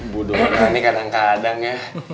budo banget nih kadang kadang ya